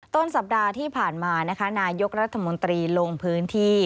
ต้นสัปดาห์ที่ผ่านมานะคะนายกรัฐมนตรีลงพื้นที่